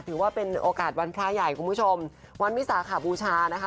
ถือว่าเป็นโอกาสวันพระใหญ่คุณผู้ชมวันวิสาขบูชานะคะ